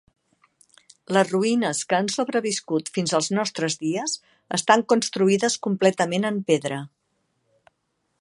Les ruïnes que han sobreviscut fins als nostres dies estan construïdes completament en pedra.